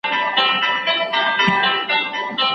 هغه به تل زما تر څنګ پاتې وي.